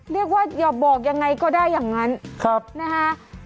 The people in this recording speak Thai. เรียกว่าอย่าบอกยังไงก็ได้อย่างนั้นครับนะฮะ